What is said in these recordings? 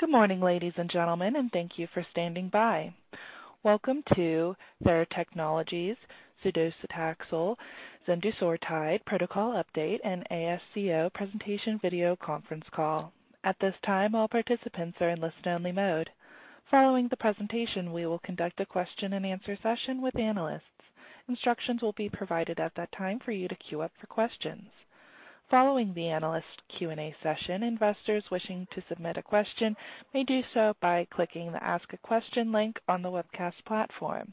Good morning, ladies and gentlemen, and thank you for standing by. Welcome to Theratechnologies, sudocetaxel zendusortide Protocol Update and ASCO Presentation video conference call. At this time, all participants are in listen-only mode. Following the presentation, we will conduct a question and answer session with analysts. Instructions will be provided at that time for you to queue up for questions. Following the analyst Q&A session, investors wishing to submit a question may do so by clicking the Ask a Question link on the webcast platform.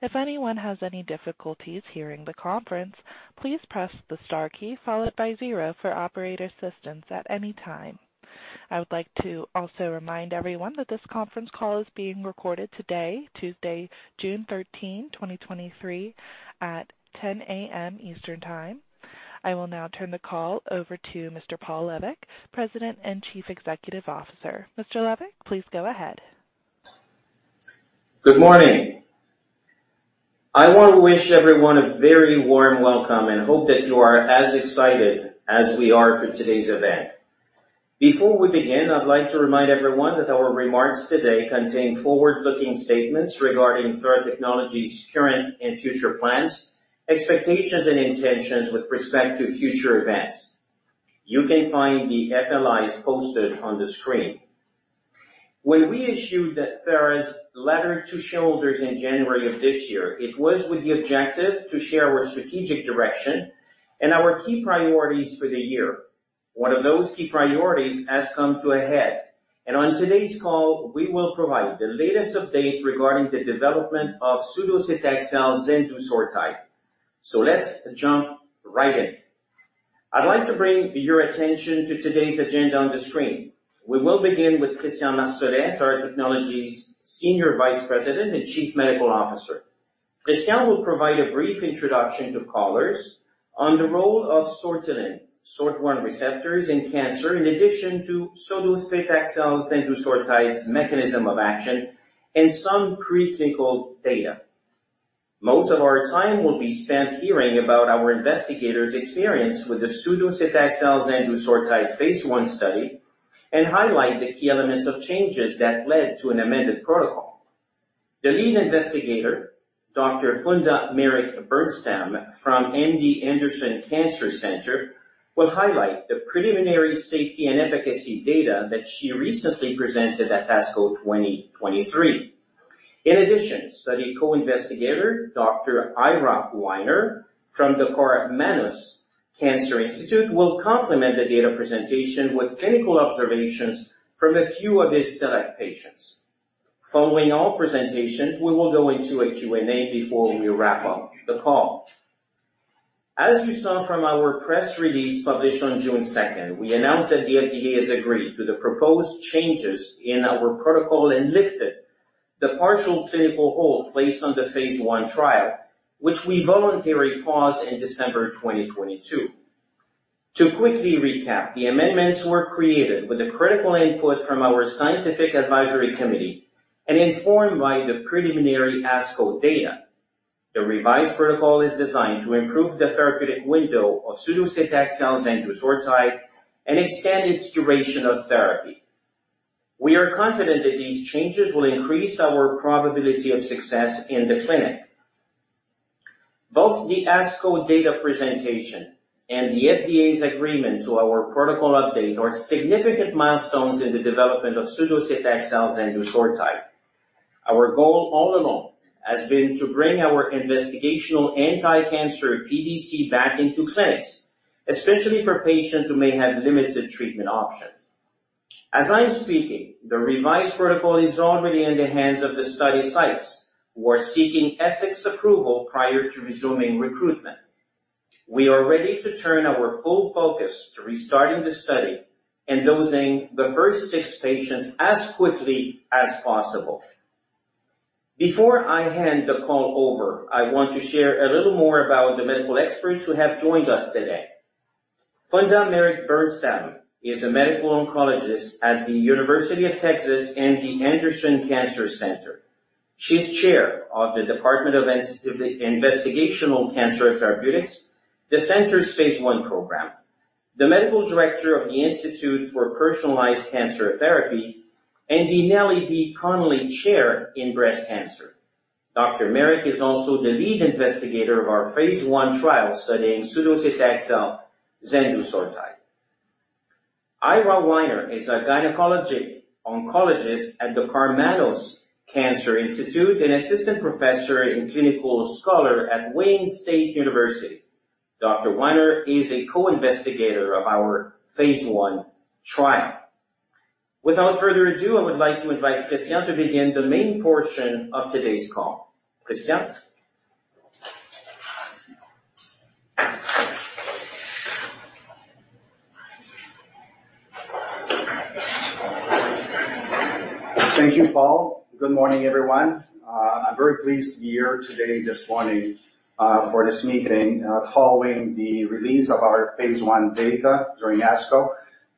If anyone has any difficulties hearing the conference, please press the star key followed by zero for operator assistance at any time. I would like to also remind everyone that this conference call is being recorded today, Tuesday, June 13, 2023, at 10:00 A.M. Eastern Time. I will now turn the call over to Mr. Paul Lévesque, President and Chief Executive Officer. Lévesque, please go ahead. Good morning. I want to wish everyone a very warm welcome and hope that you are as excited as we are for today's event. Before we begin, I'd like to remind everyone that our remarks today contain forward-looking statements regarding Theratechnologies' current and future plans, expectations, and intentions with respect to future events. You can find the FLIs posted on the screen. When we issued that Thera's Letter to Shareholders in January of this year, it was with the objective to share our strategic direction and our key priorities for the year. One of those key priorities has come to a head, and on today's call, we will provide the latest update regarding the development of sudocetaxel zendusortide. Let's jump right in. I'd like to bring your attention to today's agenda on the screen. We will begin with Christian Marsolais, Theratechnologies Senior Vice President and Chief Medical Officer. Christian will provide a brief introduction to callers on the role of Sortilin, SORT1 receptors in cancer, in addition to sudocetaxel zendusortide's mechanism of action and some preclinical data. Most of our time will be spent hearing about our investigators' experience with the sudocetaxel zendusortide phase I study and highlight the key elements of changes that led to an amended protocol. The lead investigator, Dr. Funda Meric-Bernstam from MD Anderson Cancer Center, will highlight the preliminary safety and efficacy data that she recently presented at ASCO 2023. Study co-investigator, Dr. Ira Winer from the Karmanos Cancer Institute, will complement the data presentation with clinical observations from a few of his select patients. Following all presentations, we will go into a Q&A before we wrap up the call. As you saw from our press release published on June second, we announced that the FDA has agreed to the proposed changes in our protocol and lifted the partial clinical hold placed on the phase I trial, which we voluntarily paused in December 2022. To quickly recap, the amendments were created with the critical input from our Scientific Advisory Committee and informed by the preliminary ASCO data. The revised protocol is designed to improve the therapeutic window of sudocetaxel zendusortide and extend its duration of therapy. We are confident that these changes will increase our probability of success in the clinic. Both the ASCO data presentation and the FDA's agreement to our protocol update are significant milestones in the development of sudocetaxel zendusortide. Our goal all along has been to bring our investigational anti-cancer PDC back into clinics, especially for patients who may have limited treatment options. As I'm speaking, the revised protocol is already in the hands of the study sites, who are seeking ethics approval prior to resuming recruitment. We are ready to turn our full focus to restarting the study and dosing the first six patients as quickly as possible. Before I hand the call over, I want to share a little more about the medical experts who have joined us today. Funda Meric-Bernstam is a medical oncologist at the University of Texas and the Anderson Cancer Center. She's Chair of the Department of Investigational Cancer Therapeutics, the center's phase I program, the Medical Director of the Institute for Personalized Cancer Therapy, and the Nellie B. Connally Chair in Breast Cancer. Dr. Meric is also the lead investigator of our phase I trial studying sudocetaxel zendusortide. Ira Winer is a gynecologic oncologist at the Karmanos Cancer Institute, an assistant professor and clinical scholar at Wayne State University. Dr. Winer is a co-investigator of our phase I trial. Without further ado, I would like to invite Christian to begin the main portion of today's call. Christian? Thank you, Paul. Good morning, everyone. I'm very pleased you're here today, this morning, for this meeting, following the release of our phase I data during ASCO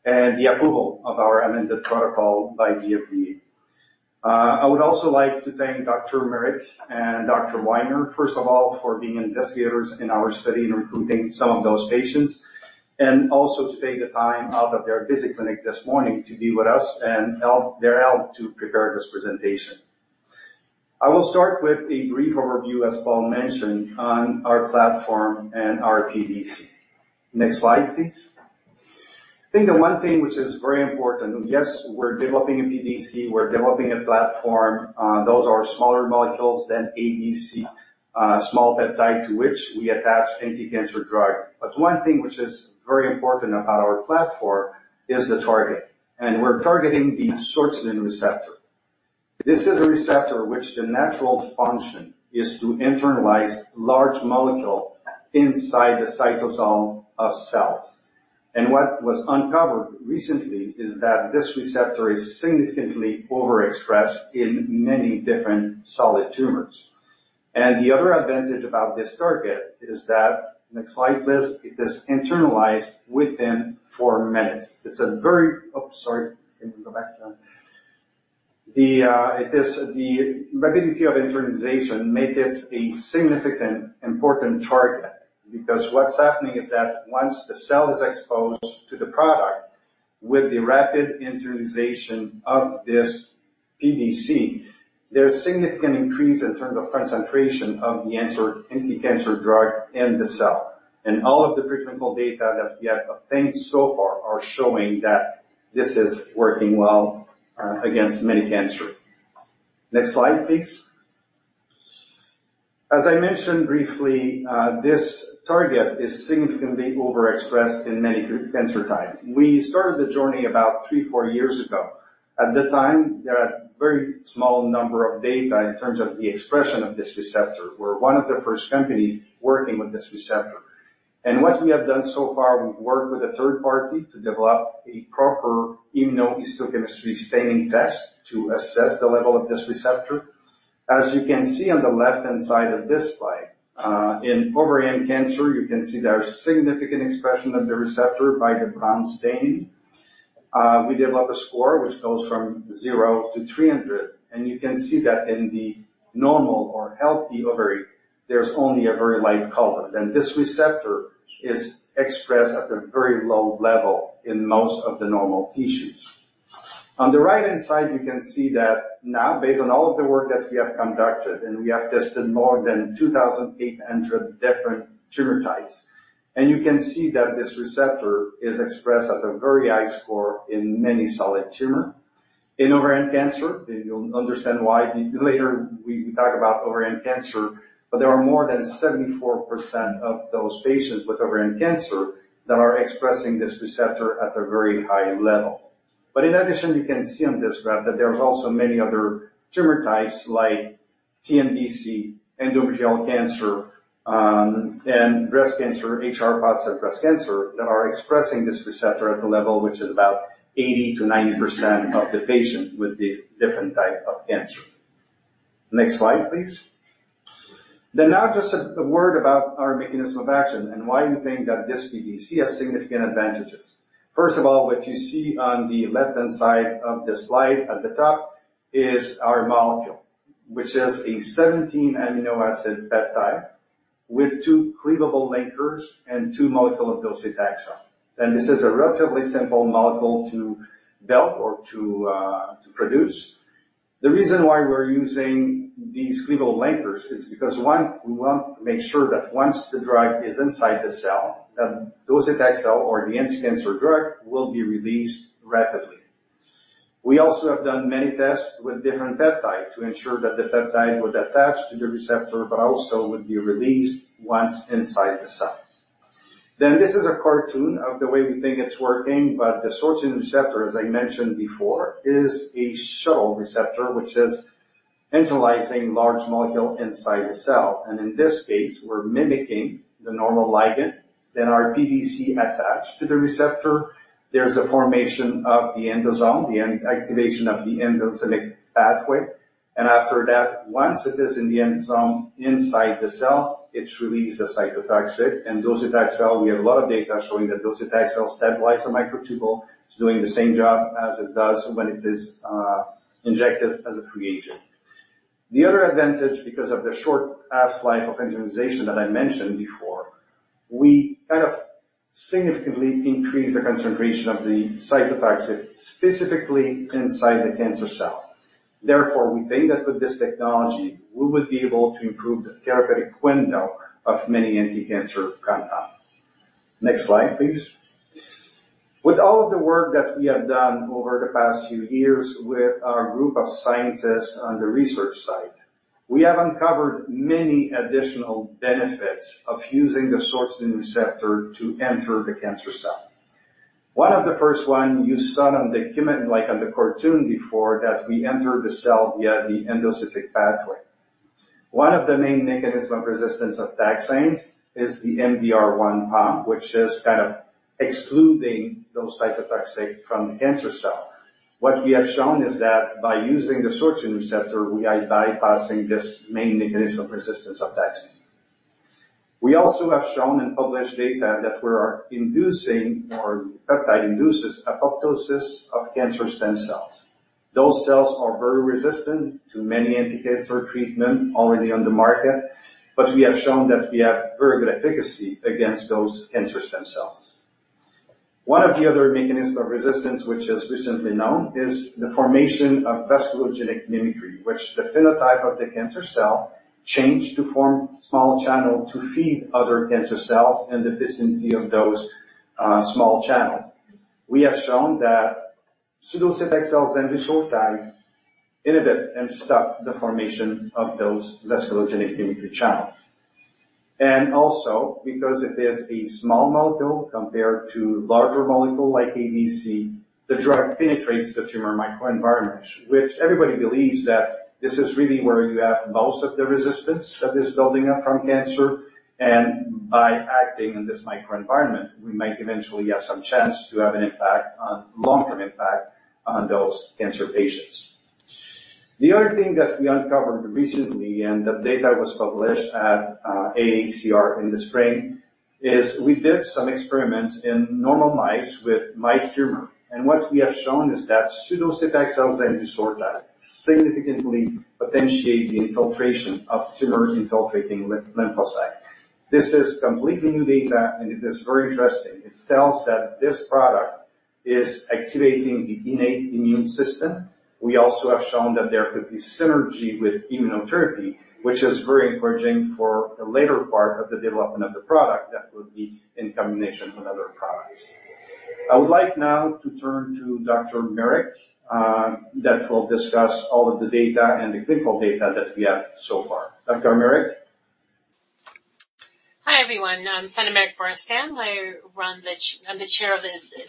and the approval of our amended protocol by the FDA. I would also like to thank Dr. Meric and Dr. Winer, first of all, for being investigators in our study and recruiting some of those patients, and also to take the time out of their busy clinic this morning to be with us and help to prepare this presentation. I will start with a brief overview, as Paul mentioned, on our platform and our PDC. Next slide, please. I think the one thing which is very important, yes, we're developing a PDC, we're developing a platform. Those are smaller molecules than ADC, small peptide to which we attach anti-cancer drug. One thing which is very important about our platform is the target, and we're targeting the sortilin receptor. This is a receptor which the natural function is to internalize large molecule inside the cytosol of cells. What was uncovered recently is that this receptor is significantly overexpressed in many different solid tumors. The other advantage about this target is that, next slide, please, it is internalized within four minutes. It's a very. Oh, sorry. Can you go back to that? The rapidity of internalization makes it a significant important target because what's happening is that once the cell is exposed to the product, with the rapid internalization of this PDC, there's significant increase in terms of concentration of the answer, anti-cancer drug in the cell. All of the preclinical data that we have obtained so far are showing that this is working well against many cancer. Next slide, please. As I mentioned briefly, this target is significantly overexpressed in many cancer types. We started the journey about three, four years ago. At the time, there are very small number of data in terms of the expression of this receptor. We're one of the first company working with this receptor. What we have done so far, we've worked with a third party to develop a proper immunohistochemistry staining test to assess the level of this receptor. As you can see on the left-hand side of this slide, in ovarian cancer, you can see there are significant expression of the receptor by the brown stain. We develop a score which goes from 0 to 300, and you can see that in the normal or healthy ovary, there's only a very light color, and this receptor is expressed at a very low level in most of the normal tissues. On the right-hand side, you can see that now, based on all of the work that we have conducted, we have tested more than 2,800 different tumor types, you can see that this receptor is expressed at a very high score in many solid tumor. In ovarian cancer, you'll understand why later we talk about ovarian cancer, there are more than 74% of those patients with ovarian cancer that are expressing this receptor at a very high level. In addition, you can see on this graph that there's also many other tumor types like TNBC, endometrial cancer, and breast cancer, HR positive breast cancer, that are expressing this receptor at a level which is about 80%-90% of the patient with the different type of cancer. Next slide, please. Now just a word about our mechanism of action and why we think that this PDC has significant advantages. First of all, what you see on the left-hand side of the slide at the top is our molecule, which is a 17 amino acid peptide with two cleavable linkers and two molecule of docetaxel. And this is a relatively simple molecule to build or to produce. The reason why we're using these cleavable linkers is because, one, we want to make sure that once the drug is inside the cell, that docetaxel or the anti-cancer drug will be released rapidly. We also have done many tests with different peptide to ensure that the peptide would attach to the receptor, but also would be released once inside the cell. This is a cartoon of the way we think it's working, but the sortilin receptor, as I mentioned before, is a shuttle receptor, which is internalizing large molecule inside the cell, and in this case, we're mimicking the normal ligand, then our PDC attach to the receptor. There's a formation of the endosome, the end activation of the endocytic pathway, and after that, once it is in the endosome inside the cell, it releases cytotoxic. Docetaxel, we have a lot of data showing that docetaxel stabilize the microtubule. It's doing the same job as it does when it is injected as a free agent. The other advantage, because of the short half-life of internalization that I mentioned before, we kind of significantly increase the concentration of the cytotoxic, specifically inside the cancer cell. Therefore, we think that with this technology, we would be able to improve the therapeutic window of many anti-cancer compound. Next slide, please. With all of the work that we have done over the past few years with our group of scientists on the research side, we have uncovered many additional benefits of using the Sortilin receptor to enter the cancer cell. One of the first one you saw on the human, like on the cartoon before, that we enter the cell via the endocytic pathway. One of the main mechanism of resistance of taxanes is the MDR1 pump, which is kind of excluding those cytotoxic from the cancer cell. What we have shown is that by using the Sortilin receptor, we are bypassing this main mechanism of resistance of taxane. We also have shown in published data that we are inducing, or peptide induces apoptosis of cancer stem cells. Those cells are very resistant to many anti-cancer treatment already on the market, but we have shown that we have very good efficacy against those cancer stem cells. One of the other mechanism of resistance, which is recently known, is the formation of vasculogenic mimicry, which the phenotype of the cancer cell change to form small channel to feed other cancer cells in the vicinity of those small channel. We have shown that sudocetaxel zendusortide inhibit and stop the formation of those vasculogenic mimicry channel. Also because it is a small molecule compared to larger molecule like ADC, the drug penetrates the tumor microenvironment, which everybody believes that this is really where you have most of the resistance that is building up from cancer. By acting in this microenvironment, we might eventually have some chance to have an impact on, long-term impact on those cancer patients. The other thing that we uncovered recently, and the data was published at AACR in the spring, is we did some experiments in normal mice with mice tumor. What we have shown is that sudocetaxel zendusortide significantly potentiate the infiltration of tumor-infiltrating lymphocyte. This is completely new data, and it is very interesting. It tells that this product is activating the innate immune system. We also have shown that there could be synergy with immunotherapy, which is very encouraging for the later part of the development of the product that would be in combination with other products. I would like now to turn to Dr. Meric, that will discuss all of the data and the clinical data that we have so far. Dr. Meric? Hi, everyone. I'm Funda Meric-Bernstam. I run the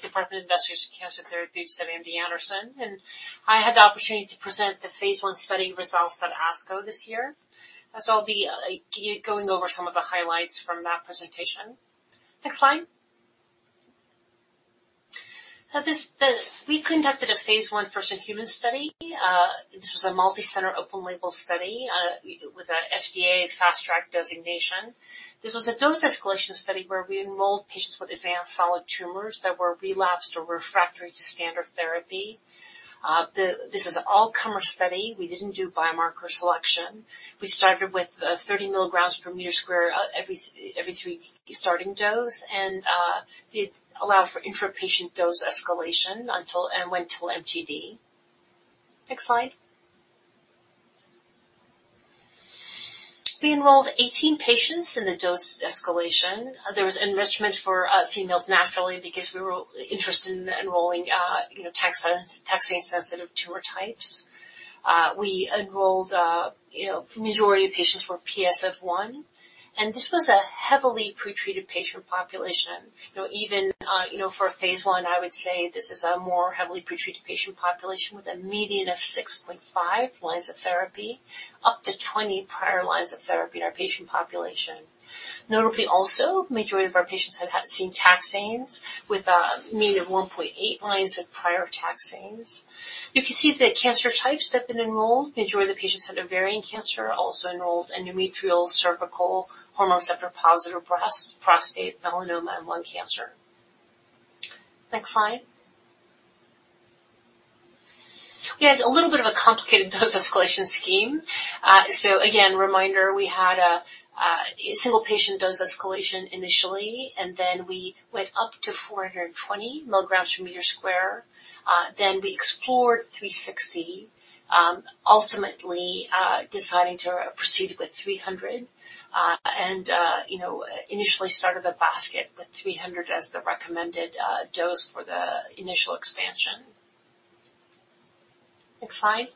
Department of Investigational Cancer Therapeutics at MD Anderson, and I had the opportunity to present the phase I study results at ASCO this year. As I'll be going over some of the highlights from that presentation. Next slide. Now, this, we conducted a phase I first in human study. This was a multicenter, open label study, with an FDA Fast Track designation. This was a dose-escalation study where we enrolled patients with advanced solid tumors that were relapsed or refractory to standard therapy. This is an all-comer study. We didn't do biomarker selection. We started with 30 mg/m2, every three starting dose, and it allowed for intrapatient dose escalation until and went till MTD. Next slide. We enrolled 18 patients in the dose escalation. There was enrichment for females, naturally, because we were interested in enrolling, you know, taxane-sensitive tumor types. We enrolled, you know, majority of patients were PS 1, and this was a heavily pretreated patient population. You know, even, you know, for a phase I, I would say this is a more heavily pretreated patient population with a median of 6.5 lines of therapy, up to 20 prior lines of therapy in our patient population. Notably, also, majority of our patients had seen taxanes with a mean of 1.8 lines of prior taxanes. You can see the cancer types that have been enrolled. Majority of the patients had ovarian cancer, also enrolled endometrial, cervical, hormone receptor-positive breast, prostate, melanoma, and lung cancer. Next slide. We had a little bit of a complicated dose escalation scheme. Again, reminder, we had a single patient dose escalation initially, and then we went up to 420 mg/m2. We explored 360, ultimately deciding to proceed with 300. You know, initially started a basket with 300 as the recommended dose for the initial expansion. Next slide.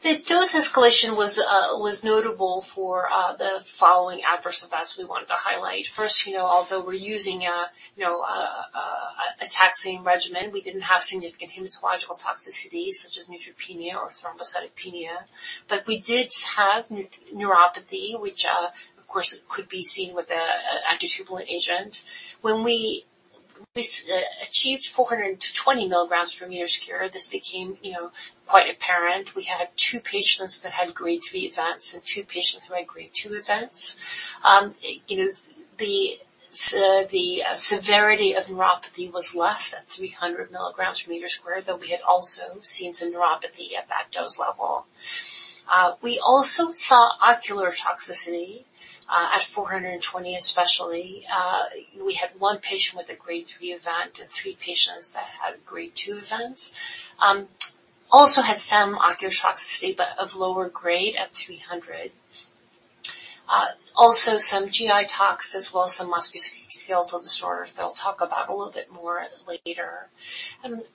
The dose escalation was notable for the following adverse events we wanted to highlight. First, you know, although we're using a, you know, a taxane regimen, we didn't have significant hematological toxicities such as neutropenia or thrombocytopenia, but we did have neuropathy, which, of course, could be seen with an anti-tubulin agent. When we achieved 420 mg/m2, this became, you know, quite apparent. We had two patients that had grade 3 events and two patients who had grade 2 events. You know, the severity of neuropathy was less than 300 mg/m2, though we had also seen some neuropathy at that dose level. We also saw ocular toxicity at 420, especially. We had one patient with a grade 3 event and three patients that had grade 2 events. Also had some ocular toxicity, but of lower grade at 300. Also some GI tox as well, some musculoskeletal disorders that I'll talk about a little bit more later.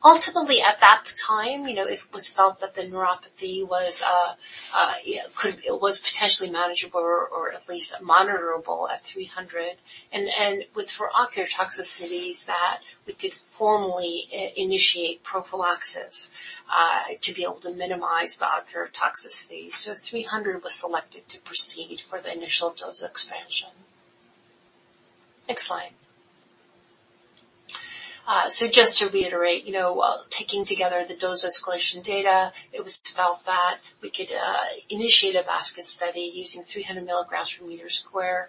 Ultimately, at that time, you know, it was felt that the neuropathy was potentially manageable or at least monitorable at 300. For ocular toxicities, that we could formally initiate prophylaxis to be able to minimize the ocular toxicity. Just 300 was selected to proceed for the initial dose expansion. Next slide. Just to reiterate, you know, taking together the dose escalation data, it was felt that we could initiate a basket study using 300 mg/m2,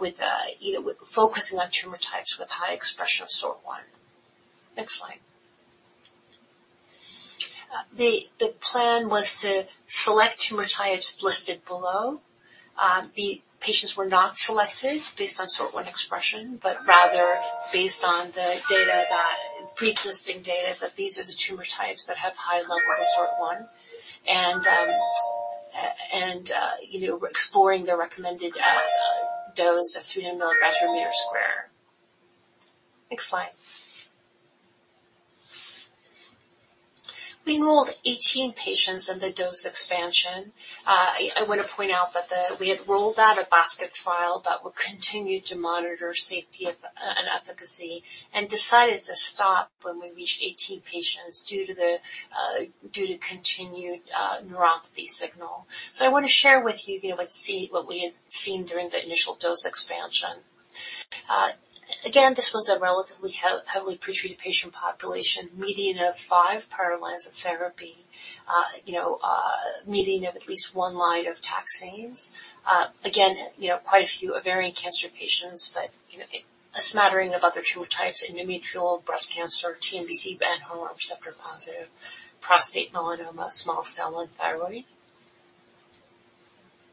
with, you know, focusing on tumor types with high expression of SORT1. Next slide. The plan was to select tumor types listed below. The patients were not selected based on SORT1 expression, but rather based on the pre-existing data, that these are the tumor types that have high levels of SORT1 and, you know, exploring the recommended dose of 300 mg/m2. Next slide. We enrolled 18 patients in the dose expansion. I want to point out that we had rolled out a basket trial that will continue to monitor safety, and efficacy, and decided to stop when we reached 18 patients due to the continued neuropathy signal. I want to share with you know, what we had seen during the initial dose expansion. Again, this was a relatively heavily pretreated patient population, median of five prior lines of therapy. you know, median of at least one line of taxanes. again, you know, quite a few ovarian cancer patients, but, you know, a smattering of other tumor types, endometrial, breast cancer, TNBC and hormone receptor-positive, prostate, melanoma, small cell, and thyroid.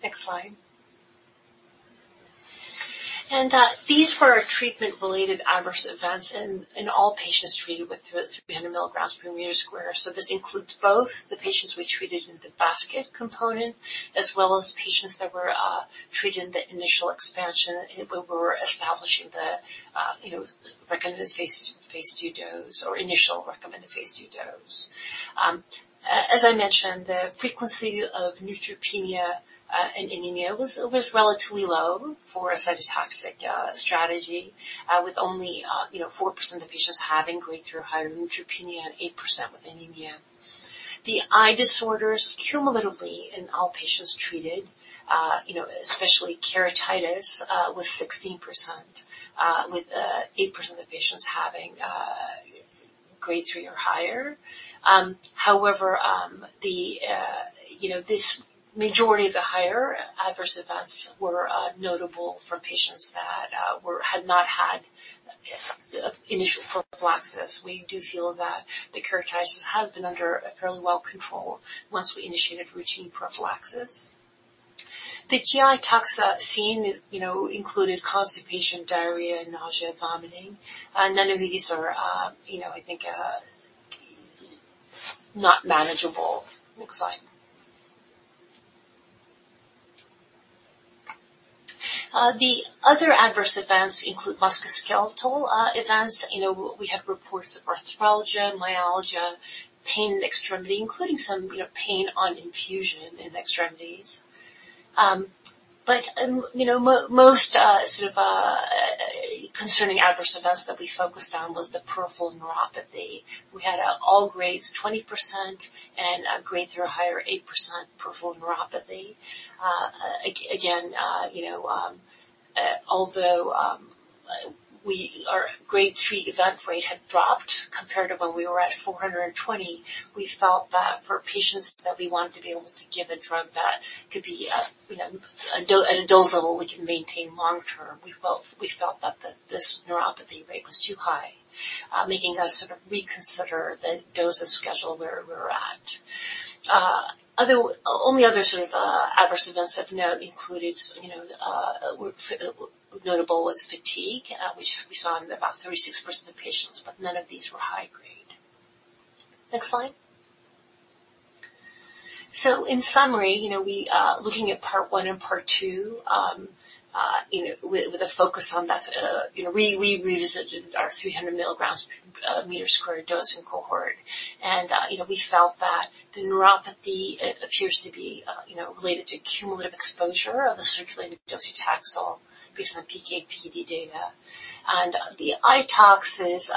Next slide. These were our treatment-related adverse events in all patients treated with 300 mg/m2. This includes both the patients we treated in the basket component, as well as patients that were treated in the initial expansion, where we were establishing the, you know, recommended phase II dose or initial recommended phase II dose. As I mentioned, the frequency of neutropenia and anemia was relatively low for a cytotoxic strategy, with only, you know, 4% of the patients having grade 3 or higher neutropenia and 8% with anemia. The eye disorders cumulatively in all patients treated, you know, especially keratitis, was 16%, with 8% of patients having grade 3 or higher. However, the, you know, this majority of the higher adverse events were notable for patients that had not had initial prophylaxis. We do feel that the keratitis has been under fairly well control once we initiated routine prophylaxis. The GI tox seen, you know, included constipation, diarrhea, nausea, and vomiting. None of these are, you know, I think, not manageable. Next slide. The other adverse events include musculoskeletal events. You know, we had reports of arthralgia, myalgia, pain in extremity, including some, you know, pain on infusion in the extremities. You know, most sort of concerning adverse events that we focused on was the peripheral neuropathy. We had all grades, 20% and grade 3 or higher, 8% peripheral neuropathy. Again, you know, although our grade 3 event rate had dropped compared to when we were at 420, we felt that for patients that we wanted to be able to give a drug that could be, you know, at a dose level, we can maintain long-term, we felt that the, this neuropathy rate was too high, making us sort of reconsider the dose and schedule where we were at. Only other sort of adverse events of note included, you know, notable was fatigue, which we saw in about 36% of patients, but none of these were high grade. Next slide. In summary, you know, we, looking at part one and part two, you know, with a focus on that, you know, we revisited our 300 mg/m2 dosing cohort. You know, we felt that the neuropathy, it appears to be, you know, related to cumulative exposure of the circulating docetaxel based on PK/PD data. The eye tox is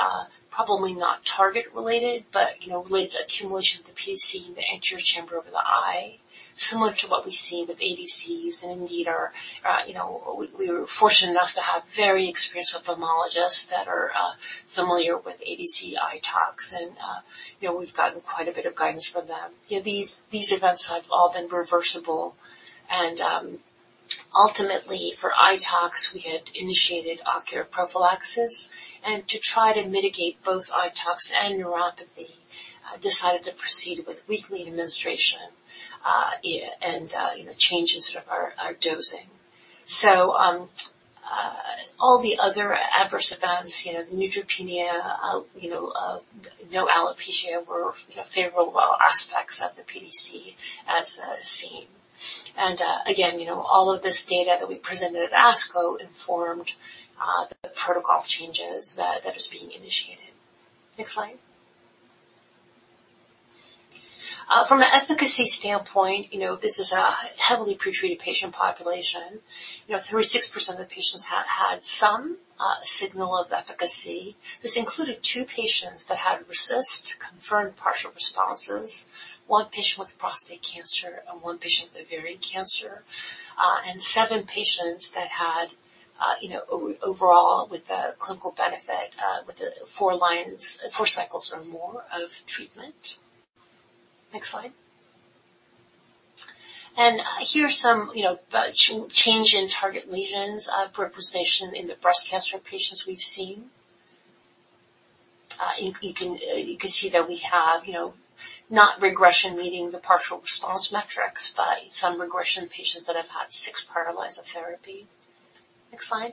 probably not target related, but, you know, relates to accumulation of the PDC in the anterior chamber of the eye, similar to what we see with ADCs. Indeed, our, you know, we were fortunate enough to have very experienced ophthalmologists that are familiar with ADC eye tox, and, you know, we've gotten quite a bit of guidance from them. You know, these events have all been reversible, and ultimately, for eye tox, we had initiated ocular prophylaxis. To try to mitigate both eye tox and neuropathy, decided to proceed with weekly administration, and, you know, changes our dosing. All the other adverse events, you know, the neutropenia, you know, no alopecia were, you know, favorable aspects of the PDC as seen. Again, you know, all of this data that we presented at ASCO informed the protocol changes that is being initiated. Next slide. From an efficacy standpoint, you know, this is a heavily pretreated patient population. You know, 36% of the patients had some signal of efficacy. This included two patients that had RECIST-confirmed partial responses, one patient with prostate cancer and one patient with ovarian cancer, and seven patients that had, you know, overall with the clinical benefit, with the four lines, four cycles or more of treatment. Next slide. Here's some, you know, change in target lesions, progression in the breast cancer patients we've seen. You can see that we have, you know, not regression meeting the partial response metrics, but some regression patients that have had six prior lines of therapy. Next slide.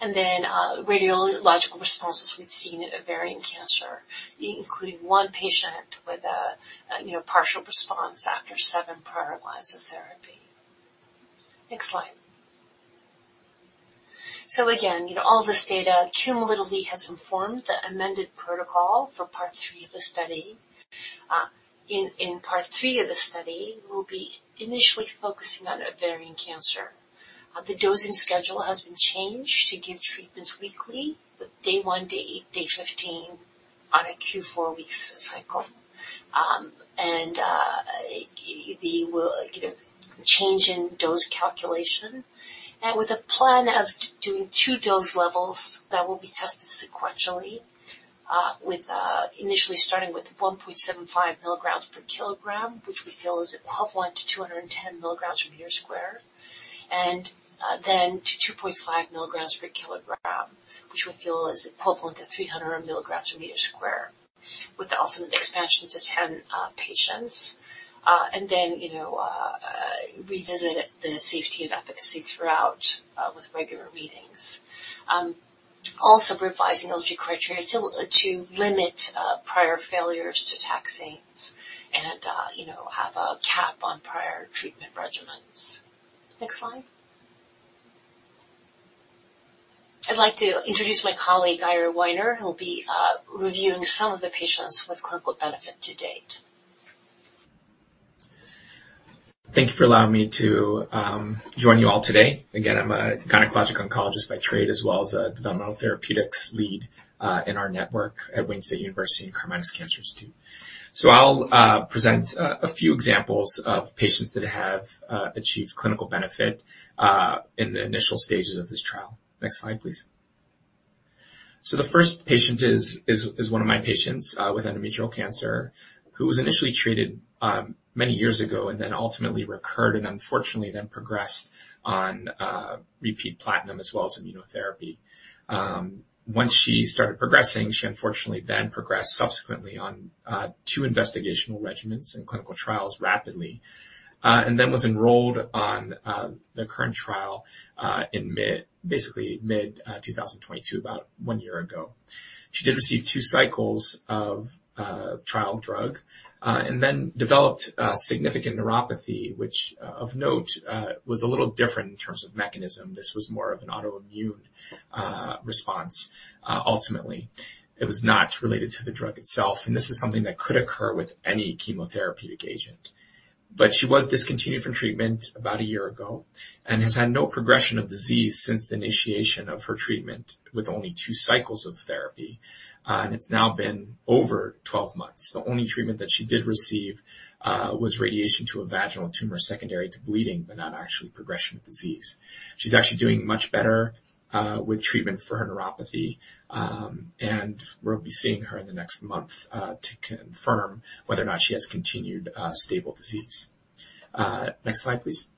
Radiological responses we've seen in ovarian cancer, including one patient with a, you know, partial response after seven prior lines of therapy. Next slide. Again, you know, all this data cumulatively has informed the amended protocol for part three of the study. In part three of the study, we'll be initially focusing on ovarian cancer. The dosing schedule has been changed to give treatments weekly, with day one to day 15 on a Q4-week cycle. You know, change in dose calculation and with a plan of doing two dose levels that will be tested sequentially. With initially starting with 1.75 mg/kg, which we feel is equivalent to 210 mg/m2, and then to 2.5 mg/kg, which we feel is equivalent to 300 mg/m2, with the ultimate expansion to 10 patients. Then, you know, revisit the safety and efficacy throughout with regular readings. Also revising eligibility criteria to limit prior failures to taxanes and, you know, have a cap on prior treatment regimens. Next slide. I'd like to introduce my colleague, Ira Winer, who'll be reviewing some of the patients with clinical benefit to date. Thank you for allowing me to join you all today. Again, I'm a gynecologic oncologist by trade, as well as a developmental therapeutics lead, in our network at Wayne State University and Karmanos Cancer Institute. I'll present a few examples of patients that have achieved clinical benefit in the initial stages of this trial. Next slide, please. The first patient is one of my patients with endometrial cancer, who was initially treated many years ago and then ultimately recurred and unfortunately then progressed on repeat platinum as well as immunotherapy. Once she started progressing, she unfortunately then progressed subsequently on two investigational regimens in clinical trials rapidly and then was enrolled on the current trial in basically mid 2022, about one year ago. She did receive two cycles of trial drug, then developed significant neuropathy, which of note, was a little different in terms of mechanism. This was more of an autoimmune response. Ultimately, it was not related to the drug itself, and this is something that could occur with any chemotherapeutic agent. She was discontinued from treatment about a year ago and has had no progression of disease since the initiation of her treatment, with only two cycles of therapy. It's now been over 12 months. The only treatment that she did receive was radiation to a vaginal tumor secondary to bleeding, but not actually progression of disease. She's actually doing much better with treatment for her neuropathy. We'll be seeing her in the next month, to confirm whether or not she has continued stable disease. Next slide, please.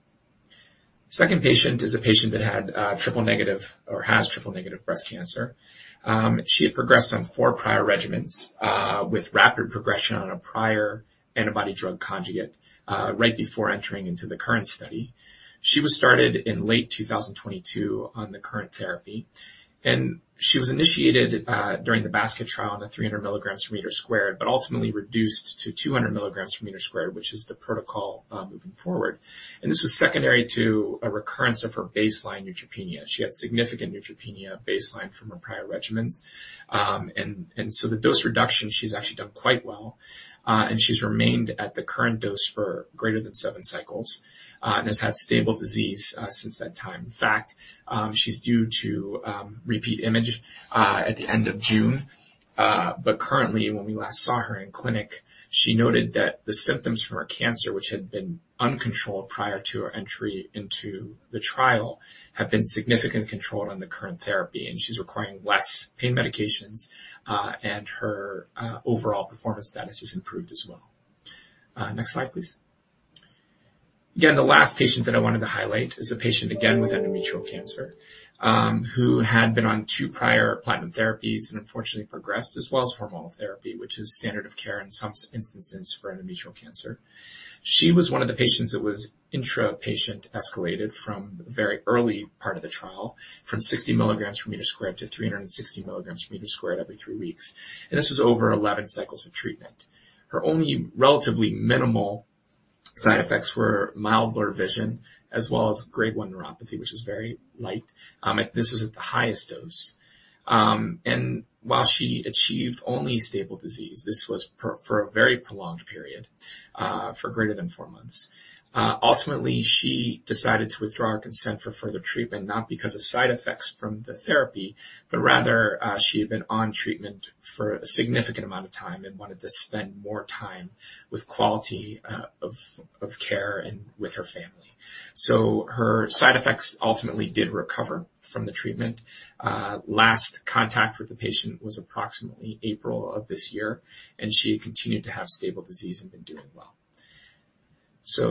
Second patient is a patient that had Triple-Negative Breast Cancer or has Triple-Negative Breast Cancer. She had progressed on four prior regimens, with rapid progression on a prior antibody drug conjugate, right before entering into the current study. She was started in late 2022 on the current therapy, and she was initiated during the basket trial on the 300 mg/m2, but ultimately reduced to 200 mg/m2, which is the protocol moving forward. This was secondary to a recurrence of her baseline neutropenia. She had significant neutropenia baseline from her prior regimens. The dose reduction, she's actually done quite well, and she's remained at the current dose for greater than seven cycles, and has had stable disease since that time. In fact, she's due to repeat image at the end of June. Currently, when we last saw her in clinic, she noted that the symptoms from her cancer, which had been uncontrolled prior to her entry into the trial, have been significantly controlled on the current therapy, and she's requiring less pain medications, and her overall performance status has improved as well. Next slide, please. Again, the last patient that I wanted to highlight is a patient again with endometrial cancer, who had been on two prior platinum therapies and unfortunately progressed as well as hormonal therapy, which is standard of care in some instances for endometrial cancer. She was one of the patients that was intrapatient escalated from the very early part of the trial, from 60 mg/m2 to 360 mg/m2 every three weeks. This was over 11 cycles of treatment. Her only relatively minimal side effects were mild blurred vision as well as grade 1 neuropathy, which is very light. This is at the highest dose. While she achieved only stable disease, this was for a very prolonged period, for greater than four months. Ultimately, she decided to withdraw her consent for further treatment, not because of side effects from the therapy, but rather, she had been on treatment for a significant amount of time and wanted to spend more time with quality of care and with her family. Her side effects ultimately did recover from the treatment. Last contact with the patient was approximately April of this year, and she had continued to have stable disease and been doing well.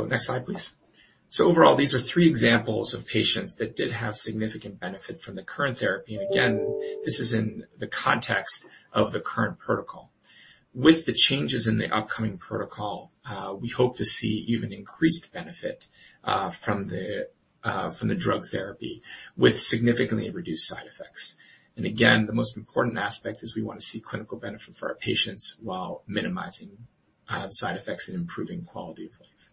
Next slide, please. Overall, these are three examples of patients that did have significant benefit from the current therapy. Again, this is in the context of the current protocol. With the changes in the upcoming protocol, we hope to see even increased benefit from the drug therapy with significantly reduced side effects. Again, the most important aspect is we want to see clinical benefit for our patients while minimizing side effects and improving quality of life.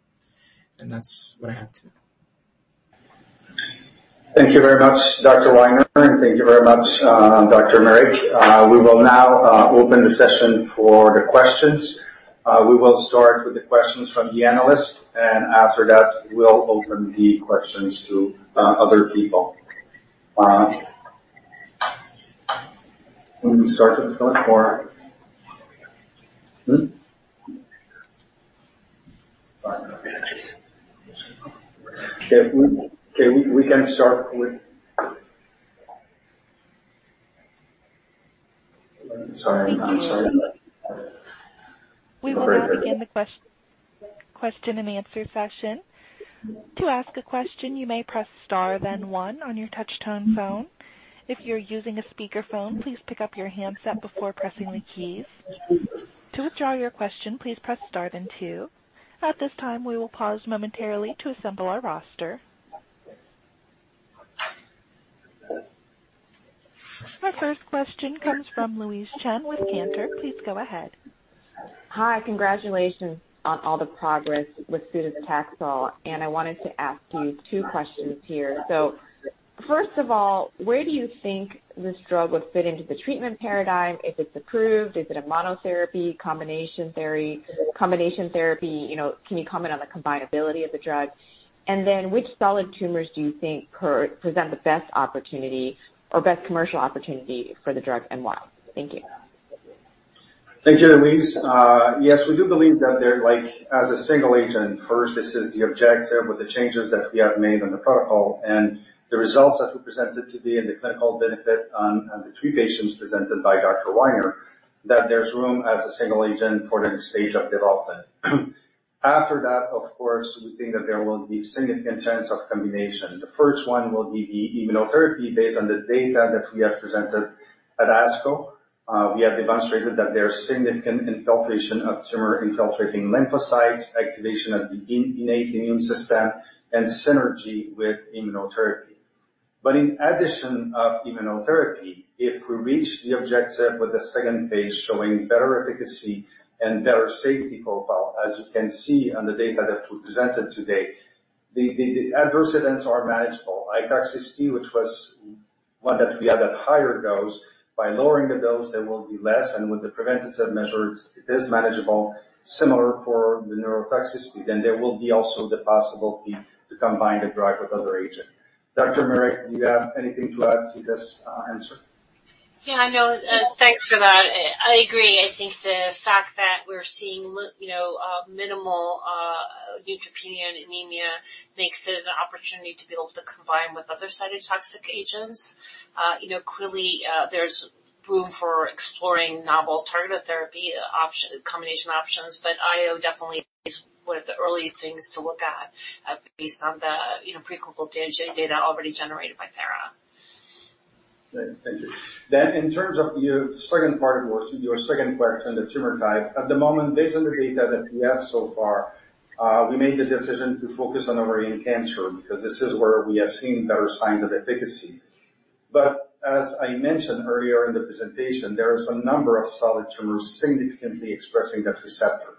That's what I have today. Thank you very much, Dr. Winer, and thank you very much, Dr. Meric. We will now open the session for the questions. We will start with the questions from the analyst, and after that, we'll open the questions to other people. Let me start with one more. Hmm? Okay, Sorry, I'm sorry. We will now begin the question and answer session. To ask a question, you may press star, then one on your touch-tone phone. If you're using a speakerphone, please pick up your handset before pressing the keys. To withdraw your question, please press star then two. At this time, we will pause momentarily to assemble our roster. Our first question comes from Louise Chen with Cantor. Please go ahead. Hi, congratulations on all the progress with sudocetaxel. I wanted to ask you two questions here. First of all, where do you think this drug would fit into the treatment paradigm? If it's approved, is it a monotherapy, combination therapy? You know, can you comment on the combinability of the drug? Which solid tumors do you think present the best opportunity or best commercial opportunity for the drug and why? Thank you. Thank you, Louise. Yes, we do believe that there, like, as a single agent, first, this is the objective with the changes that we have made in the protocol and the results that we presented today, and the clinical benefit on the three patients presented by Dr. Winer, that there's room as a single agent for the next stage of development. After that, of course, we think that there will be significant chance of combination. The first one will be the immunotherapy. Based on the data that we have presented at ASCO, we have demonstrated that there is significant infiltration of tumor-infiltrating lymphocytes, activation of the innate immune system, and synergy with immunotherapy. In addition of immunotherapy, if we reach the objective with the second phase showing better efficacy and better safety profile, as you can see on the data that we presented today, the adverse events are manageable, like toxicity, which was one that we had at higher dose. By lowering the dose, there will be less, and with the preventative measures, it is manageable, similar for the neurotoxicity. There will be also the possibility to combine the drug with other agent. Dr. Meric, do you have anything to add to this answer? Yeah, I know. Thanks for that. I agree. I think the fact that we're seeing you know, minimal neutropenia and anemia makes it an opportunity to be able to combine with other cytotoxic agents. You know, clearly, there's room for exploring novel targeted therapy option, combination options, but IO definitely is one of the early things to look at, based on the, you know, preclinical data already generated by Thera. Great, thank you. In terms of your second part, or your second question, the tumor type. At the moment, based on the data that we have so far, we made the decision to focus on ovarian cancer because this is where we have seen better signs of efficacy. As I mentioned earlier in the presentation, there is a number of solid tumors significantly expressing that receptor.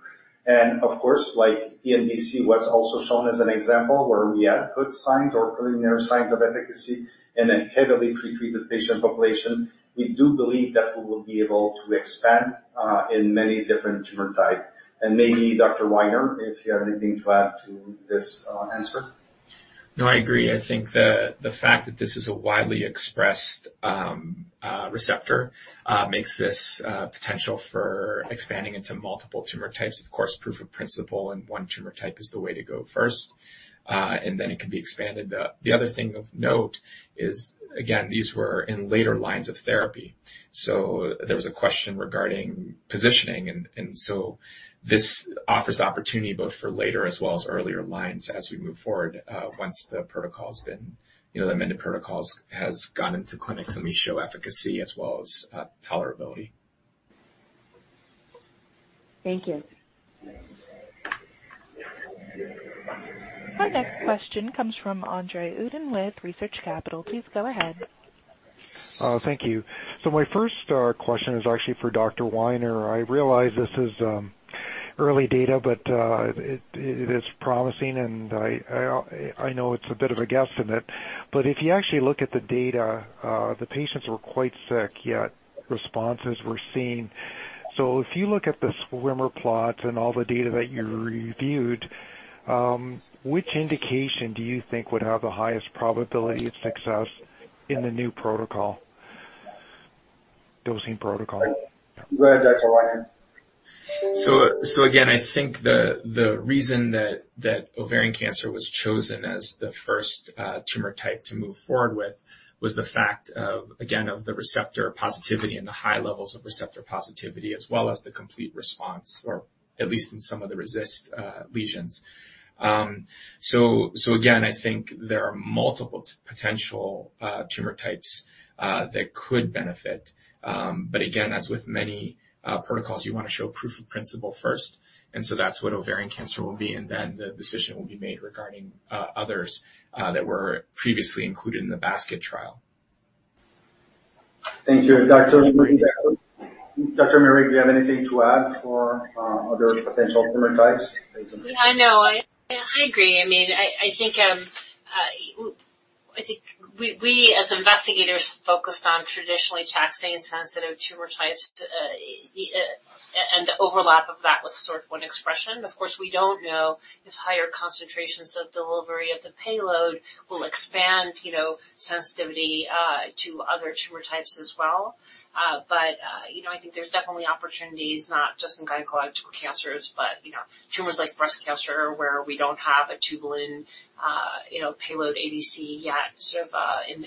Of course, like TNBC was also shown as an example where we had good signs or preliminary signs of efficacy in a heavily pretreated patient population. We do believe that we will be able to expand in many different tumor type. Maybe Dr. Winer, if you have anything to add to this answer? I agree. I think the fact that this is a widely expressed receptor makes this potential for expanding into multiple tumor types. Of course, proof of principle and one tumor type is the way to go first, and then it can be expanded. The other thing of note is, again, these were in later lines of therapy, so there was a question regarding positioning, and so this offers opportunity both for later as well as earlier lines as we move forward, once, you know, the amended protocols has gone into clinics, and we show efficacy as well as tolerability. Thank you. Our next question comes from Andre Uddin with Research Capital. Please go ahead. Thank you. My first question is actually for Dr. Winer. I realize this is early data, but it is promising, and I know it's a bit of a guess in it, but if you actually look at the data, the patients were quite sick, yet responses were seen. If you look at the swimmer plot and all the data that you reviewed, which indication do you think would have the highest probability of success in the new protocol? Dosing protocol. Go ahead, Dr. Winer. Again, I think the reason that ovarian cancer was chosen as the first tumor type to move forward with was the fact again of the receptor positivity and the high levels of receptor positivity, as well as the complete response, or at least in some of the RECIST lesions. Again, I think there are multiple potential tumor types that could benefit. But again, as with many protocols, you want to show proof of principle first, that's what ovarian cancer will be, and then the decision will be made regarding others that were previously included in the basket trial. Thank you, Doctor. Dr. Meric, do you have anything to add for other potential tumor types? Yeah, I know. I agree. I mean, I think we, as investigators, focused on traditionally taxane-sensitive tumor types, and the overlap of that with SORT1 expression. Of course, we don't know if higher concentrations of delivery of the payload will expand, you know, sensitivity to other tumor types as well. You know, I think there's definitely opportunities not just in gynecological cancers, but, you know, tumors like breast cancer, where we don't have a tubulin, you know, payload ADC yet, sort of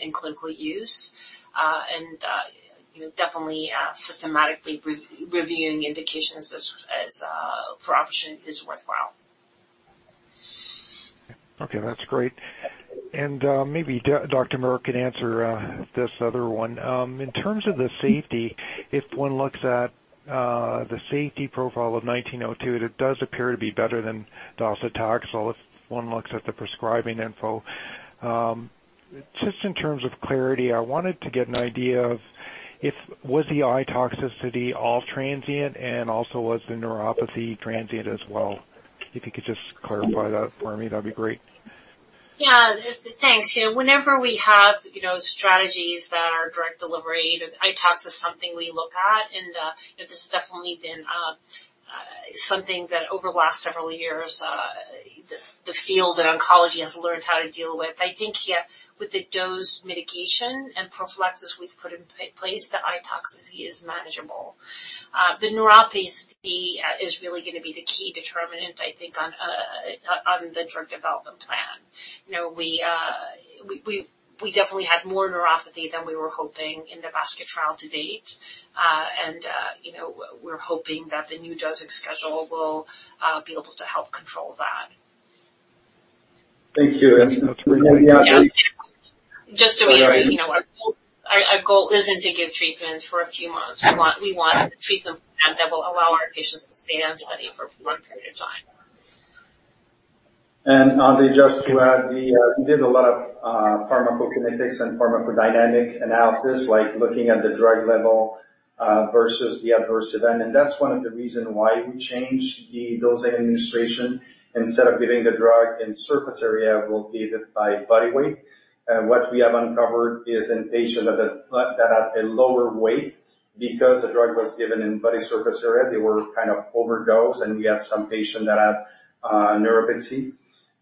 in clinical use. You know, definitely, systematically reviewing indications as for option is worthwhile. Okay, that's great. Maybe Dr. Meric can answer this other one. In terms of the safety, if one looks at the safety profile of TH1902, it does appear to be better than docetaxel if one looks at the prescribing info. Just in terms of clarity, I wanted to get an idea of if was the eye toxicity all transient, and also was the neuropathy transient as well? If you could just clarify that for me, that'd be great. Yeah, thanks. You know, whenever we have, you know, strategies that are direct delivery, I tox is something we look at, and this has definitely been something that over the last several years, the field of oncology has learned how to deal with. I think, yeah, with the dose mitigation and prophylaxis we've put in place, the I toxicity is manageable. The neuropathy is really gonna be the key determinant, I think, on the drug development plan. You know, we definitely had more neuropathy than we were hoping in the basket trial to date. You know, we're hoping that the new dosing schedule will be able to help control that. Thank you. You know, our goal isn't to give treatment for a few months. We want a treatment plan that will allow our patients to stay on study for a long period of time. Andre, just to add, we did a lot of pharmacokinetics and pharmacodynamic analysis, like looking at the drug level versus the adverse event, and that's one of the reason why we changed the dosing administration. Instead of giving the drug in surface area, we'll give it by body weight. What we have uncovered is in patient that have a lower weight because the drug was given in body surface area, they were kind of overdosed, and we had some patient that had neuropathy.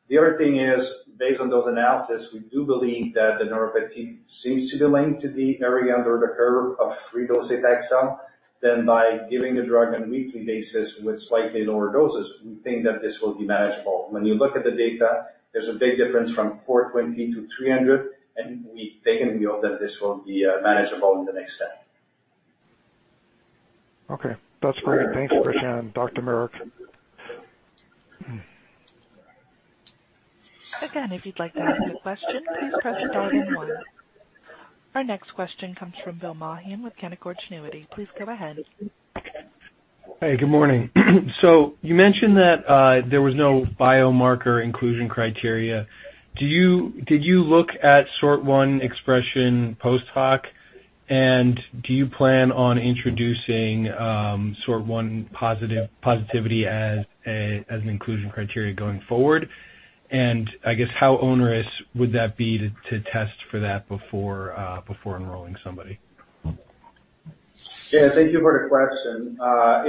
The other thing is, based on those analysis, we do believe that the neuropathy seems to be linked to the area under the curve of three-dosing Taxol. By giving the drug on a weekly basis with slightly lower doses, we think that this will be manageable. When you look at the data, there's a big difference from 420 to 300, and we take it and we hope that this will be manageable in the next step. Okay, that's great. Thanks for sharing, Dr. Meric. If you'd like to ask a question, please press star then one. Our next question comes from Bill Maughan with Canaccord Genuity. Please go ahead. Hey, good morning. You mentioned that there was no biomarker inclusion criteria. Did you look at SORT1 expression post hoc, and do you plan on introducing SORT1 positivity as an inclusion criteria going forward? I guess, how onerous would that be to test for that before enrolling somebody? Yeah, thank you for the question.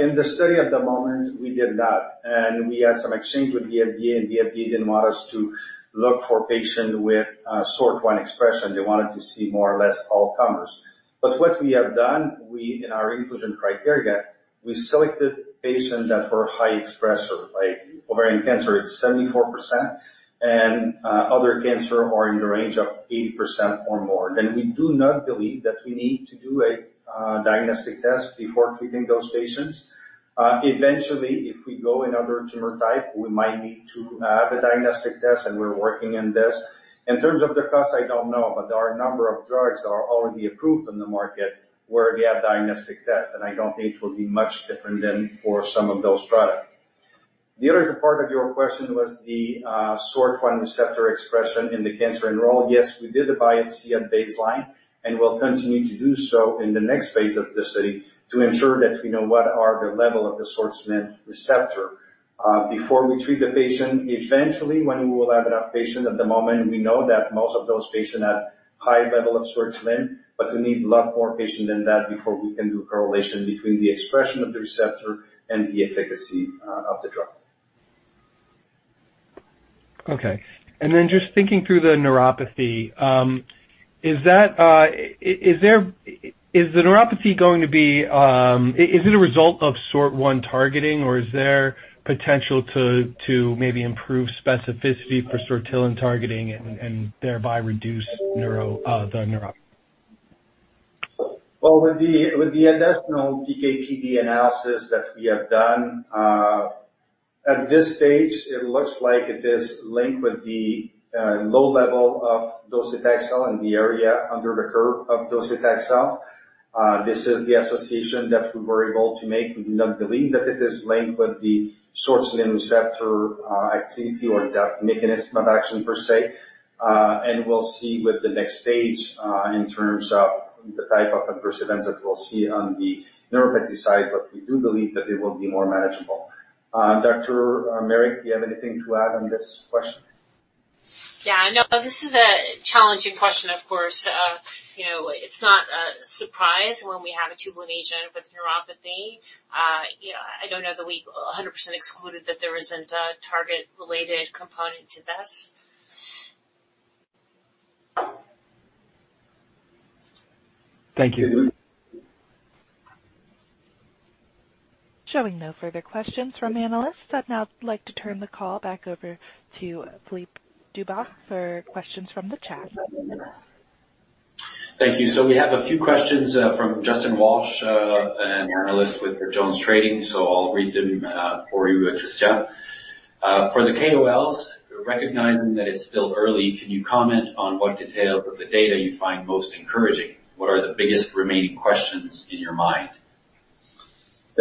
In the study at the moment, we did not, and we had some exchange with the FDA, and the FDA didn't want us to look for patient with, SORT1 expression. They wanted to see more or less all comers. What we have done, we, in our inclusion criteria, we selected patients that were high expresser, like ovarian cancer, it's 74%, and, other cancer are in the range of 80% or more. We do not believe that we need to do a, diagnostic test before treating those patients. Eventually, if we go in other tumor type, we might need to, have a diagnostic test, and we're working on this. In terms of the cost, I don't know. There are a number of drugs that are already approved on the market where they have diagnostic tests. I don't think it will be much different than for some of those products. The other part of your question was the SORT1 receptor expression in the cancer enrolled. Yes, we did the biopsy at baseline. We'll continue to do so in the next phase of the study to ensure that we know what are the level of the SORT1 receptor before we treat the patient. Eventually, when we will have enough patients, at the moment, we know that most of those patients have high level of SORT1. We need a lot more patients than that before we can do correlation between the expression of the receptor and the efficacy of the drug. Okay, just thinking through the neuropathy, is that is there, is the neuropathy going to be, is it a result of SORT1 targeting, or is there potential to maybe improve specificity for Sortilin targeting and thereby reduce neuro, the neuropathy? With the additional PK/PD analysis that we have done, at this stage, it looks like it is linked with the low level of docetaxel in the area under the curve of docetaxel. This is the association that we were able to make. We do not believe that it is linked with the Sortilin receptor activity or that mechanism of action per se. We'll see with the next stage, in terms of the type of adverse events that we'll see on the neuropathy side, but we do believe that it will be more manageable. Dr. Meric, do you have anything to add on this question? No, this is a challenging question of course. You know, it's not a surprise when we have a tubulin agent with neuropathy. You know, I don't know that we 100% excluded that there isn't a target-related component to this. Thank you. Showing no further questions from analysts, I'd now like to turn the call back over to Philippe Dubuc for questions from the chat. Thank you. We have a few questions from Justin Walsh, an analyst with JonesTrading. I'll read them for you, Christian. For the KOLs, recognizing that it's still early, can you comment on what detail of the data you find most encouraging? What are the biggest remaining questions in your mind?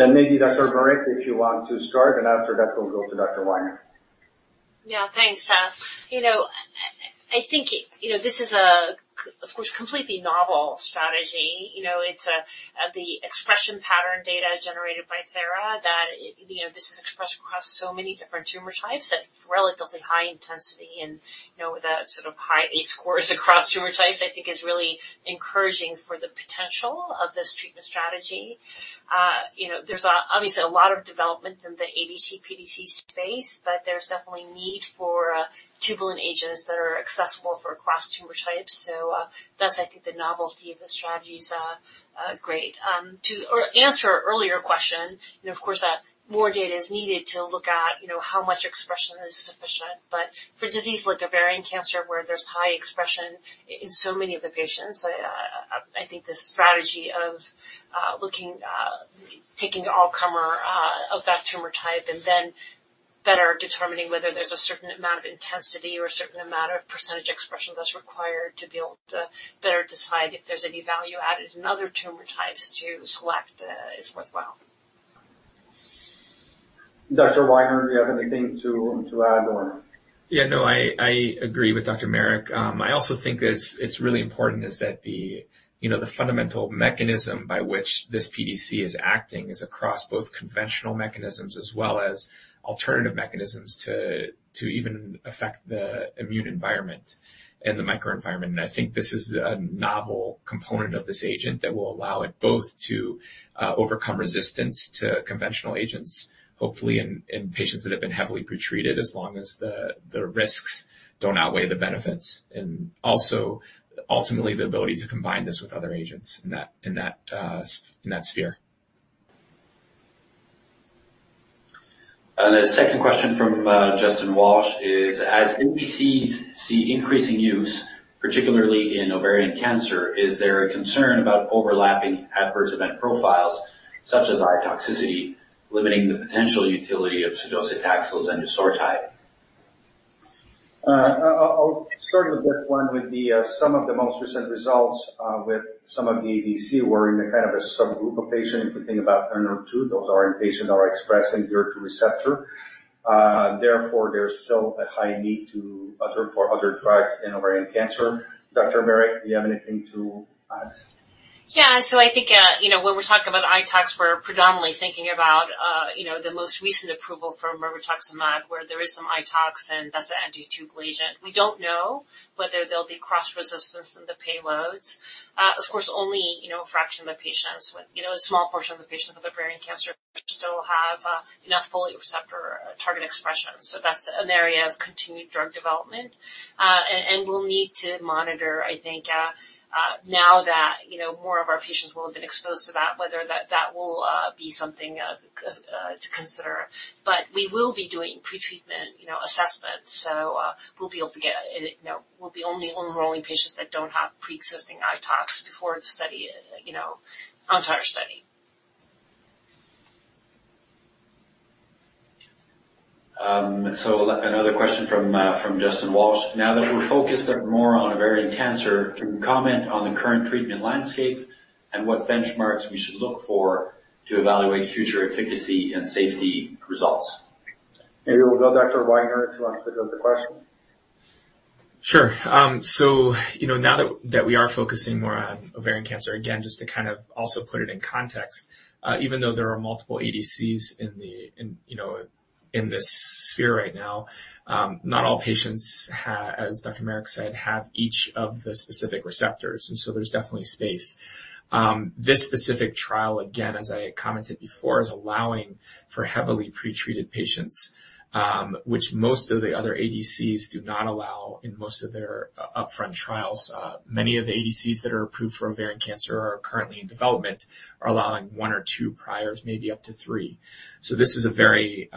Maybe Dr. Meric, if you want to start, and after that, we'll go to Dr. Winer. Yeah, thanks. You know, I think, you know, this is of course, completely novel strategy. You know, it's the expression pattern data generated by Thera that, you know, this is expressed across so many different tumor types at relatively high intensity and, you know, with sort of high H-scores across tumor types, I think is really encouraging for the potential of this treatment strategy. You know, there's obviously a lot of development in the ADC PDC space, but there's definitely need for tubulin agents that are accessible for across tumor types. Thus, I think the novelty of the strategy is great. To, or answer your earlier question, you know, of course, that more data is needed to look at, you know, how much expression is sufficient, but for diseases like ovarian cancer, where there's high expression in so many of the patients, I think this strategy of looking, taking all comer of that tumor type and then better determining whether there's a certain amount of intensity or a certain amount of percentage expression that's required to be able to better decide if there's any value added in other tumor types to select, is worthwhile. Dr. Winer, do you have anything to add on? Yeah, no, I agree with Dr. Meric. I also think it's really important is that the, you know, the fundamental mechanism by which this PDC is acting is across both conventional mechanisms as well as alternative mechanisms to even affect the immune environment and the tumor microenvironment. I think this is a novel component of this agent that will allow it both to overcome resistance to conventional agents, hopefully in patients that have been heavily pretreated as long as the risks don't outweigh the benefits, and also ultimately, the ability to combine this with other agents in that in that sphere. The second question from Justin Walsh is: As ADCs see increasing use, particularly in ovarian cancer, is there a concern about overlapping adverse event profiles such as I toxicity, limiting the potential utility of sudocetaxel zendusortide? I'll start with this one with the some of the most recent results with some of the ADC were in a kind of a subgroup of patients. We think about NRN2, those are in patients are expressing their receptor. Therefore, there's still a high need to other, for other drugs in ovarian cancer. Dr. Meric, do you have anything to add? I think, you know, when we're talking about I tox, we're predominantly thinking about, you know, the most recent approval for mirvetuximab, where there is some I tox, and that's the anti-tubulin agent. We don't know whether there'll be cross-resistance in the payloads. Of course, only, you know, a fraction of the patients with, you know, a small portion of the patients with ovarian cancer still have enough folate receptor target expression. That's an area of continued drug development. We'll need to monitor, I think, now that, you know, more of our patients will have been exposed to that, whether that will be something to consider. We will be doing pretreatment, you know, assessments. We'll be able to get, you know, we'll be only enrolling patients that don't have pre-existing I tox before the study, you know, entire study. Another question from Justin Walsh. Now that we're focused more on ovarian cancer, can you comment on the current treatment landscape and what benchmarks we should look for to evaluate future efficacy and safety results? Maybe we'll go, Dr. Winer, if you want to pick up the question. Sure. You know, now that we are focusing more on ovarian cancer, again, just to kind of also put it in context, even though there are multiple ADCs in the in this sphere right now. Not all patients have, as Dr. Meric said, have each of the specific receptors, and so there's definitely space. This specific trial, again, as I commented before, is allowing for heavily pretreated patients, which most of the other ADCs do not allow in most of their upfront trials. Many of the ADCs that are approved for ovarian cancer are currently in development, are allowing one or two priors, maybe up to three. This is a very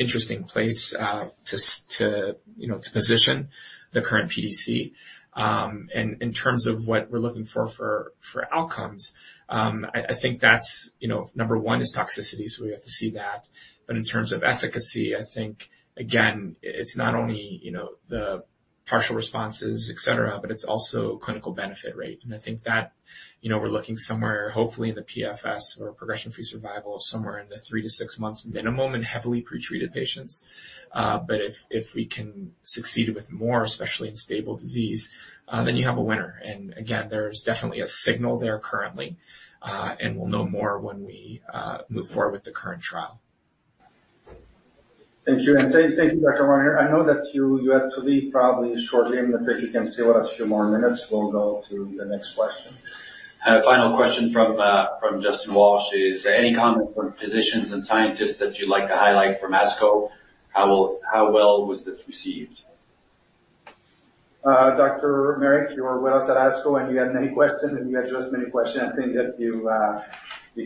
interesting place to, you know, to position the current PDC. In terms of what we're looking for, for outcomes, I think that's, you know, number one is toxicity, so we have to see that. In terms of efficacy, I think, again, it's not only, you know, the partial responses, et cetera, but it's also clinical benefit rate. I think that, you know, we're looking somewhere, hopefully in the PFS or progression-free survival, somewhere in the three to six months minimum in heavily pretreated patients. If, if we can succeed with more, especially in stable disease, then you have a winner. Again, there's definitely a signal there currently, and we'll know more when we move forward with the current trial. Thank you. Thank you, Dr. Winer. I know that you have to leave probably shortly, but if you can stay with us a few more minutes, we'll go to the next question. I have a final question from Justin Walsh. Is there any comment from physicians and scientists that you'd like to highlight from ASCO? How well was this received? Dr. Meric, you were with us at ASCO, and you had many questions, and you addressed many questions. I think that you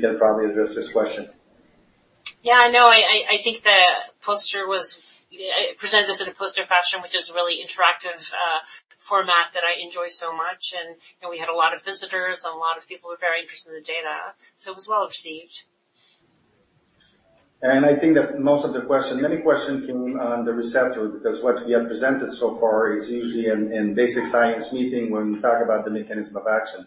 can probably address this question. No, I think the poster was presented as in a poster fashion, which is a really interactive format that I enjoy so much, and, you know, we had a lot of visitors, and a lot of people were very interested in the data, so it was well received. I think that most of the questions, many questions came on the receptor because what we have presented so far is usually in basic science meeting when we talk about the mechanism of action.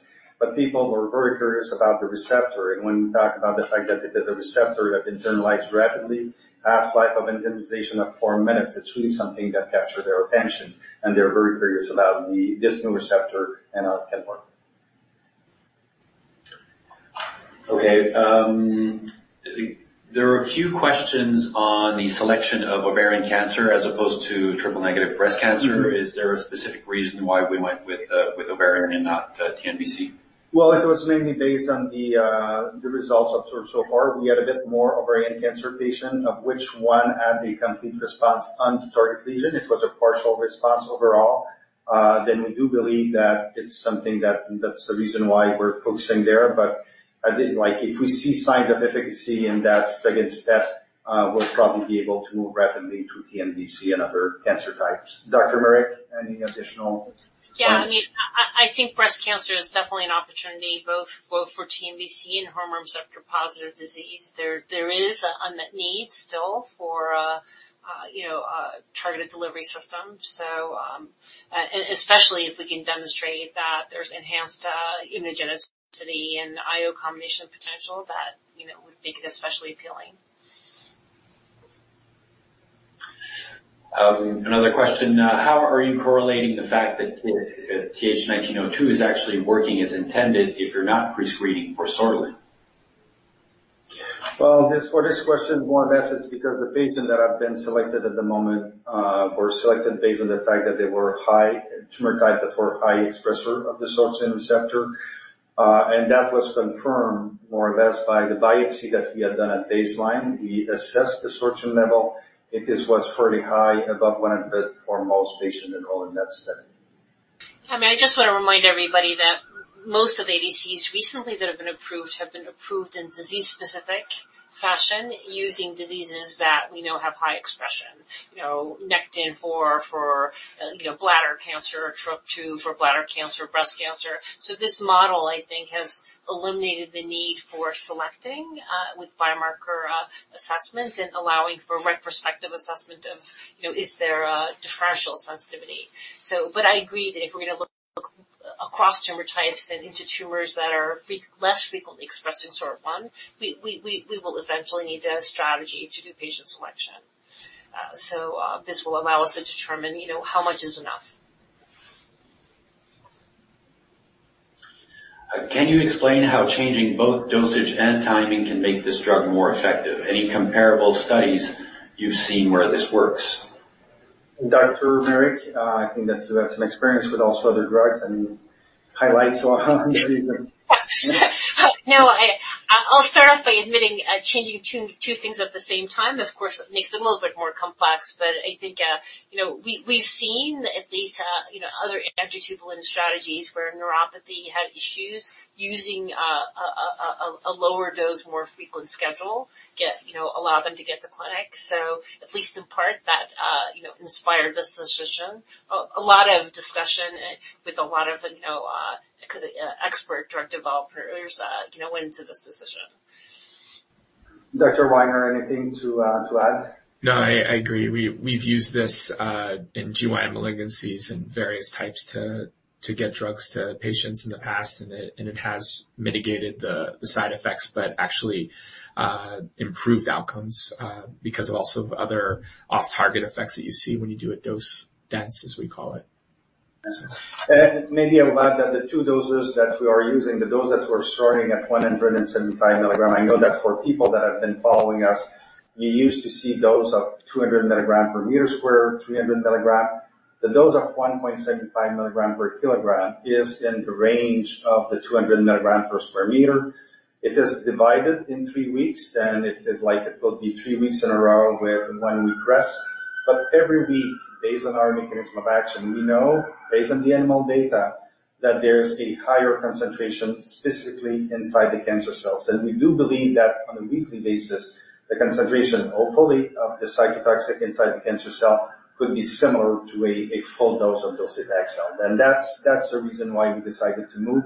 People were very curious about the receptor, and when we talk about the fact that there's a receptor that internalize rapidly, half-life of internalization of four minutes, it's really something that captured their attention, and they're very curious about the distal receptor and how it can work. Okay, there are a few questions on the selection of ovarian cancer as opposed to Triple-Negative Breast Cancer. Mm-hmm. Is there a specific reason why we went with ovarian and not, TNBC? It was mainly based on the results observed so far. We had a bit more ovarian cancer patient, of which one had a complete response on target lesion. It was a partial response overall. We do believe that it's something that's the reason why we're focusing there. I think, like, if we see signs of efficacy in that second step, we'll probably be able to move rapidly to TNBC and other cancer types. Dr. Meric, any additional comments? Yeah, I mean, I think breast cancer is definitely an opportunity, both for TNBC and hormone receptor-positive disease. There is an unmet need still for, you know, a targeted delivery system. Especially if we can demonstrate that there's enhanced immunogenicity and IO combination potential that, you know, would make it especially appealing. Another question, how are you correlating the fact that TH1902 is actually working as intended if you're not prescreening for Sortilin? Well, this, for this question, more or less, it's because the patients that have been selected at the moment, were selected based on the fact that they were high tumor type that were high expresser of the Sortilin receptor. That was confirmed, more or less, by the biopsy that we had done at baseline. We assessed the Sortilin level. It is what's fairly high, above 100 for most patients enrolled in that study. I mean, I just want to remind everybody that most of ADCs recently that have been approved have been approved in disease-specific fashion, using diseases that we know have high expression. You know, Nectin-4 for, you know, bladder cancer or Trop-2 for bladder cancer, breast cancer. This model, I think, has eliminated the need for selecting with biomarker assessment and allowing for retrospective assessment of, you know, is there a differential sensitivity? I agree that if we're gonna look across tumor types and into tumors that are less frequently expressed in Sortilin-1, we will eventually need a strategy to do patient selection. This will allow us to determine, you know, how much is enough. Can you explain how changing both dosage and timing can make this drug more effective? Any comparable studies you've seen where this works? Dr. Meric, I think that you have some experience with also other drugs and highlights on them. No, I'll start off by admitting, changing two things at the same time, of course, it makes it a little bit more complex. I think, you know, we've seen at least, you know, other anti-tubulin strategies where neuropathy had issues using a lower dose, more frequent schedule, you know, allow them to get to clinic. At least in part, that, you know, inspired this decision. A lot of discussion with a lot of, you know, expert drug developers, you know, went into this decision. Dr. Winer, anything to add? No, I agree. We've used this in gynecologic malignancies and various types to get drugs to patients in the past, and it has mitigated the side effects, but actually improved outcomes because of also other off-target effects that you see when you do a dose-dense, as we call it. ... Maybe I'll add that the two doses that we are using, the doses we're starting at 175 mg. I know that for people that have been following us, you used to see dose of 200 mg/m², 300 mg. The dose of 1.75 mg/kg is in the range of the 200 mg/m². It is divided in three weeks, like, it will be three weeks in a row with one week rest. Every week, based on our mechanism of action, we know based on the animal data, that there's a higher concentration specifically inside the cancer cells. We do believe that on a weekly basis, the concentration, hopefully of the cytotoxic inside the cancer cell could be similar to a full dose of docetaxel. That's the reason why we decided to move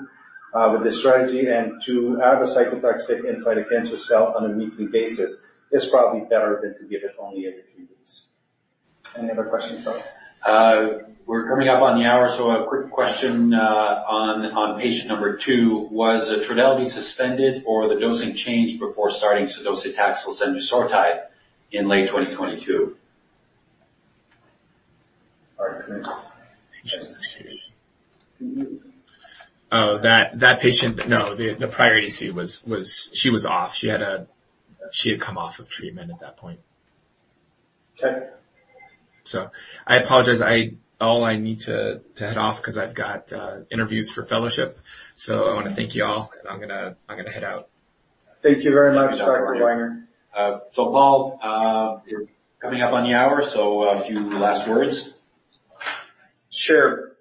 with this strategy and to have a cytotoxic inside the cancer cell on a weekly basis is probably better than to give it only every few weeks. Any other questions, though? We're coming up on the hour, a quick question, on patient number two, was Trodelvy suspended or the dosing changed before starting sudocetaxel zendusortide in late 2022? All right. Oh, that patient? No, the prior ADC was she was off. She had come off of treatment at that point. Okay. I apologize. I all I need to head off because I've got interviews for fellowship. I want to thank you all, and I'm gonna head out. Thank you very much, Dr. Winer. Paul, we're coming up on the hour, a few last words. Sure.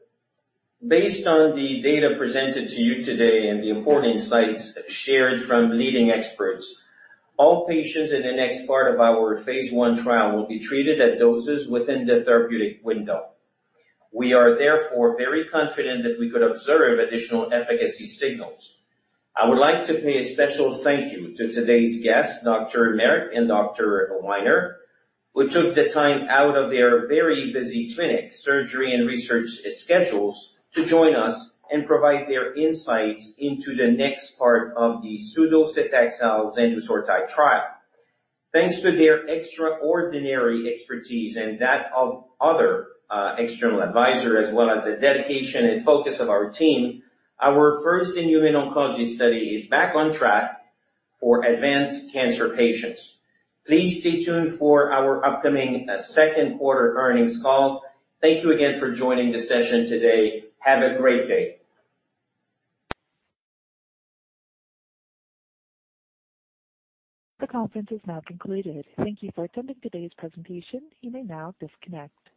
Based on the data presented to you today and the important insights shared from leading experts, all patients in the next part of our phase I trial will be treated at doses within the therapeutic window. We are therefore very confident that we could observe additional efficacy signals. I would like to pay a special thank you to today's guests, Dr. Meric and Dr. Winer, who took the time out of their very busy clinic, surgery, and research schedules to join us and provide their insights into the next part of the sudocetaxel zendusortide trial. Thanks to their extraordinary expertise and that of other external advisors, as well as the dedication and focus of our team, our first-in-human oncology study is back on track for advanced cancer patients. Please stay tuned for our upcoming second quarter earnings call. Thank you again for joining the session today. Have a great day. The conference is now concluded. Thank you for attending today's presentation. You may now disconnect.